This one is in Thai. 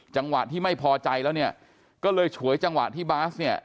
จังหวะที่ไม่พอใจแล้วเนี่ยก็เลยฉวยจังหวะที่บาสเนี่ย